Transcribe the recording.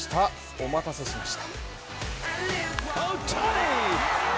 お待たせしました。